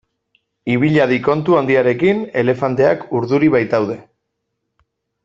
Ibil hadi kontu handiarekin elefanteak urduri baitaude.